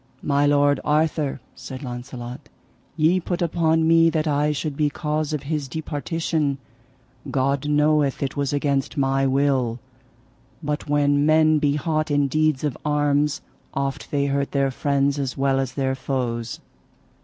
My lord Arthur, said Launcelot, ye put upon me that I should be cause of his departition; God knoweth it was against my will. But when men be hot in deeds of arms oft they hurt their friends as well as their foes.